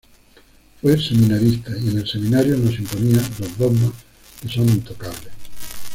Fui seminarista y en el seminario nos imponían los dogmas que son intocables.